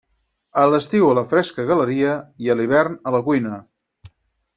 A l'estiu a la fresca galeria; i a l'hivern, a la cuina.